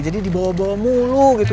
dibawa bawa mulu gitu